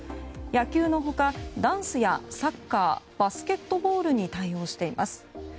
野球の他、ダンスやサッカーバスケットボールに対応しています。